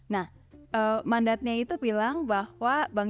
nah mandatnya itu bilang bahwa bank indonesia bertujuan untuk mencapai